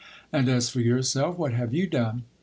And as for yourself, what have you done